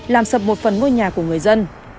làm sập một phần ngôi nhà của người dân